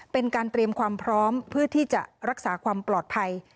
เป็นการเตรียมความพร้อมเพื่อที่จะรักษาความปลอดภัย